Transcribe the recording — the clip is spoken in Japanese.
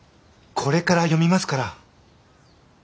これから読みますから。